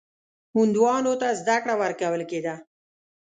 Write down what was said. هندوانو ته زده کړه ورکول کېده.